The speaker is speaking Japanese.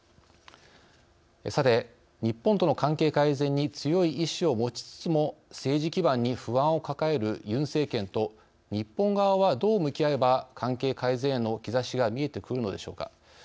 さて、日本との関係改善に強い意志を持ちつつも政治基盤に不安を抱えるユン政権と日本側は、どう向き合えば関係改善への兆しが見えてくるのでしょうか。